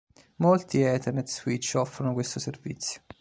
Molti Ethernet switch offrono questo servizio.